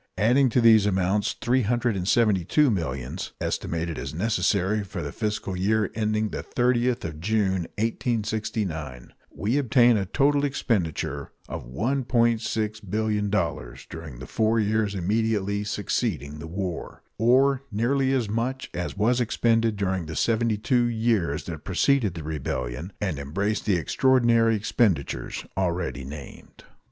Adding to these amounts three hundred and seventy two millions, estimated as necessary for the fiscal year ending the 30th of June, 1869, we obtain a total expenditure of $1,600,000,000 during the four years immediately succeeding the war, or nearly as much as was expended during the seventy two years that preceded the rebellion and embraced the extraordinary expenditures already named.